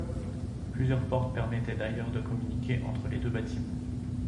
Plusieurs portes permettaient d’ailleurs de communiquer entre les deux bâtiments.